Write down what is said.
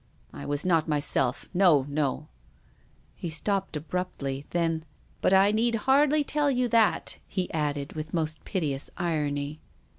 I was not myself, no, no !" He stopped abruptly. Then —" But I need hardly tell you that," he added, with most piteous irony.